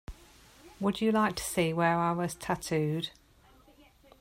Would you like to see where I was tattooed?